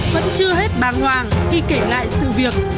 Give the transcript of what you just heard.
vẫn chưa hết bàng hoàng khi kể lại sự việc